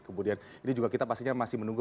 kemudian ini juga kita pastinya masih menunggu